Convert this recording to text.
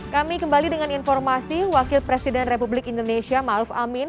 kami kembali dengan informasi wakil presiden republik indonesia ⁇ maruf ⁇ amin